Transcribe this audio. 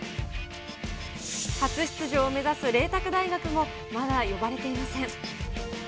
初出場を目指す麗澤大学も、まだ呼ばれていません。